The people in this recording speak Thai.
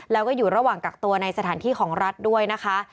แล้วก็อยู่ระหว่างกักตัวในสถานที่ของรัฐด้วยนะคะ